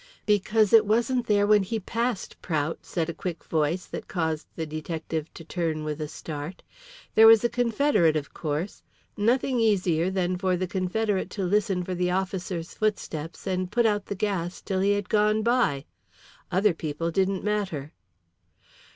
"Because it wasn't there when he passed, Prout," said a quick voice that caused the detective to turn with a start. "There was a confederate, of course. Nothing easier than for the confederate to listen for the officer's footsteps and put out the gas till he had gone by. Other people didn't matter."